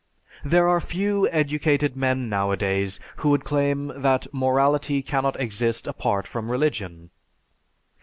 There are few educated men nowadays who would claim that morality cannot exist apart from religion.